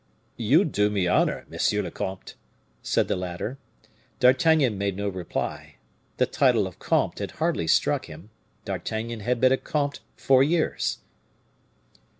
"You do me honor, monsieur le comte," said the latter. D'Artagnan made no reply. The title of comte had hardly struck him; D'Artagnan had been a comte four years.